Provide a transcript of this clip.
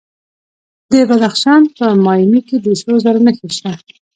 د بدخشان په مایمي کې د سرو زرو نښې شته.